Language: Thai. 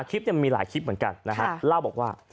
คลิปนี้มีหลายคลิปเหมือนกันนะฮะเล่าบอกว่า